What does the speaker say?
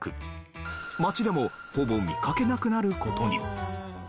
街でもほぼ見かけなくなる事に。